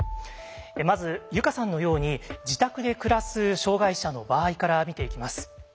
まず友佳さんのように自宅で暮らす障害者の場合から見ていきます。